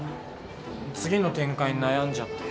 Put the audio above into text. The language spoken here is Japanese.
次の展開に悩んじゃって。